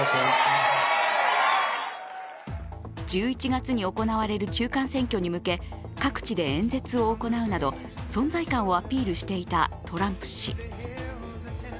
１１月に行われる中間選挙に向け、各地で演説を行うなど存在感をアピールしていたトランプ氏。